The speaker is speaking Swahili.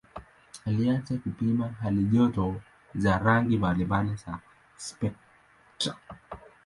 Alianza kupima halijoto za rangi mbalimbali za spektra.